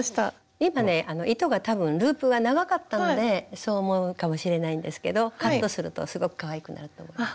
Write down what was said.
今ね糸が多分ループが長かったんでそう思うかもしれないんですけどカットするとすごくかわいくなると思います。